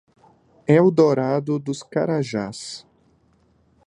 Eldorado do Carajás